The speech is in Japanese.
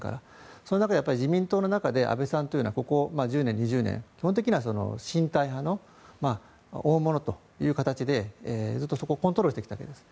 その中で自民党の中で安倍さんというのはここ１０年、２０年基本的には親台派の大物という形でずっとそこをコントロールしてきたわけです。